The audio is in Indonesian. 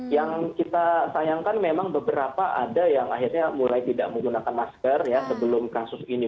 yang kita sayangkan memang beberapa ada yang akhirnya mulai tidak menggunakan masker ya sebelum kasus ini